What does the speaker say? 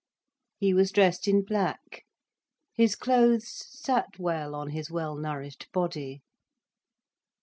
He was dressed in black, his clothes sat well on his well nourished body.